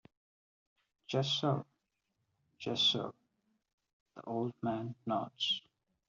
"Just so, just so," the old man nods.